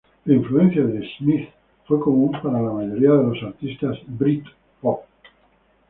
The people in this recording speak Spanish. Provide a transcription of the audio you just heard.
La influencia de The Smiths fue común para la mayoría de los artistas Britpop.